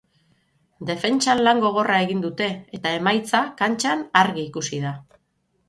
Defentsan lan gogorra egin dute, eta emaitza kantxan argi ikusi da.